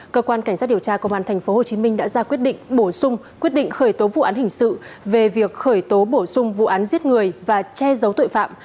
cơ quan cảnh sát điều tra công an tp hcm đã ra quyết định bổ sung quyết định khởi tố vụ án hình sự về việc khởi tố bổ sung vụ án giết người và che giấu tội phạm